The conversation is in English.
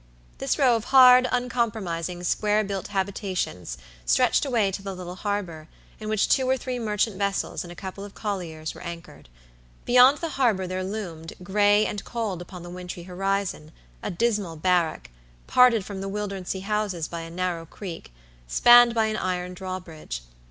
This row of hard, uncompromising, square built habitations stretched away to the little harbor, in which two or three merchant vessels and a couple of colliers were anchored. Beyond the harbor there loomed, gray and cold upon the wintry horizon, a dismal barrack, parted from the Wildernsea houses by a narrow creek, spanned by an iron drawbridge.